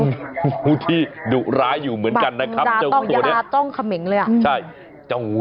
แล้วงูทำอย่างนี้งูทำอย่างนี้คุณพี่ยกอาจจะไม่เห็นน้องใบตองทำให้ดูหน่อยว่าทำยังไง